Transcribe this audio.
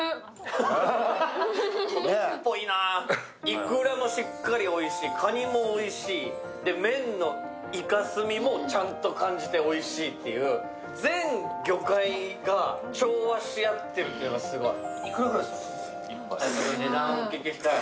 いくらもしっかりおいしい、かにもおいしい、麺のいかすみもちゃんと感じておいしいっていう全魚介が調和し合ってるのがすごい。